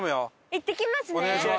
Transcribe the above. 行ってきますね。